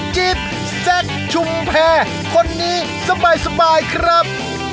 จิ๊บแซ็กชุมแพรคนนี้สบายครับ